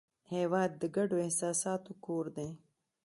هېواد د ګډو احساساتو کور دی.